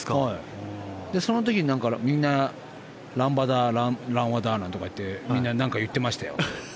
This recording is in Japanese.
その時みんなランダワ、ランダバなんて言ってみんななんか言ってましたよ。